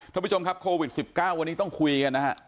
ท่านผู้ชมครับโควิด๑๙วันนี้ต้องคุยกันนะฮะ